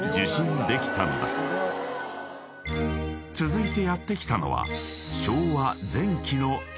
［続いてやって来たのは］